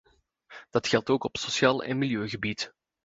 Dat geldt ook op sociaal en milieugebied.